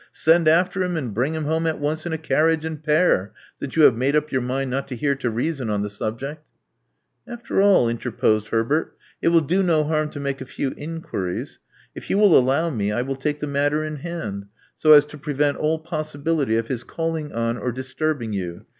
Send after him and bring him home at once in a carriage and pair, since you have made up your mind not to hear to reason on the subject." After all," interposed Herbert, it will do no harm to make a few inquiries. If you will allow me, I will take the matter in hand, so as to prevent all possibility of bis calling on or disturbing you.